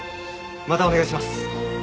またお願いします。